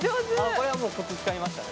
これはもうコツつかみましたね。